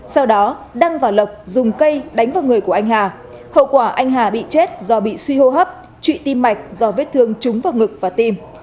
sau đó đăng và lộc dùng cây đánh vào người của anh hà hậu quả anh hà bị chết do bị suy hô hấp trụy tim mạch do vết thương trúng vào ngực và tim